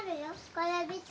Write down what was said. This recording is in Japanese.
これ見て。